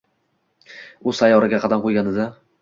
U sayyoraga qadam qo‘yganida